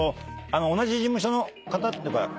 同じ事務所の方っていうか。